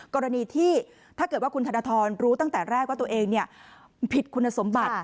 กรณีที่ถ้าเกิดว่าคุณธนทรรู้ตั้งแต่แรกว่าตัวเองผิดคุณสมบัติ